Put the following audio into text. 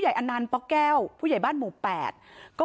เพราะพ่อเชื่อกับจ้างหักข้าวโพด